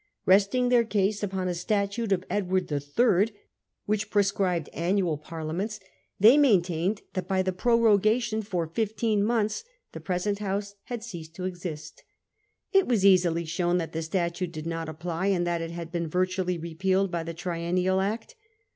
Resting their case upon a statute of Edward III. which prescribed annual Parliaments, they maintained that by th^ prorogation for fifteen months the present House had ceAsed to exist. It was easily shown that the statute did not apply, and that it had been virtually repealed by the Triennial Act.